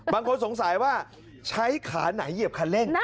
บางคนสงสัยว่าใช้ขาไหนเหยียบคันเร่ง